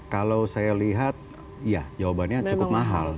kalau saya lihat ya jawabannya cukup mahal